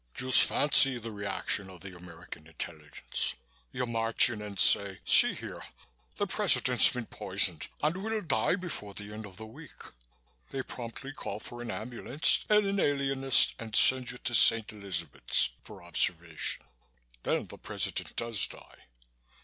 Just fancy the reaction of the American Intelligence. You march in and say, 'See here, the President's been poisoned and will die before the end of the week.' They promptly call for an ambulance and an alienist and send you to St. Elizabeth's for observation. Then the President does die.